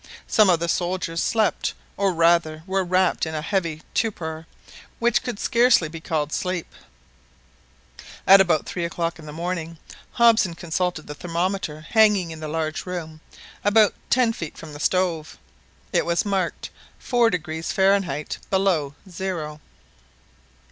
Some of the soldiers slept, or rather were wrapped in a heavy torpor, which could scarcely be called sleep. At three o'clock in the morning Hobson consulted the thermometer hanging in the large room, about ten feet from the stove. It marked 4° Fahrenheit below zero.